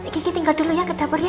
gigi tinggal dulu ya ke dapur ya